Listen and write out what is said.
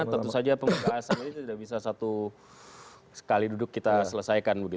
tentu saja pembahasan ini tidak bisa satu sekali duduk kita selesaikan